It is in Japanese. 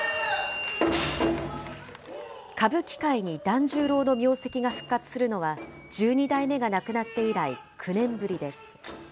歌舞伎界に團十郎の名跡が復活するのは、十二代目が亡くなって以来９年ぶりです。